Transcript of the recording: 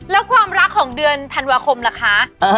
แล้วความรักของเดือนธันวาคมล่ะคะ